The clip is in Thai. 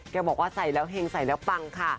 บอกว่าใส่แล้วเห็งใส่แล้วปังค่ะ